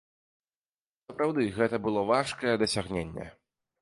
Сапраўды гэта было важкае дасягненне.